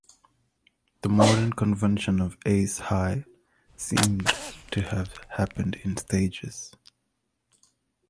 The modern convention of "ace high" seemed to have happened in stages.